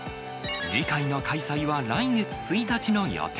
次回の開催は来月１日の予定。